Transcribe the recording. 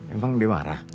emang dia marah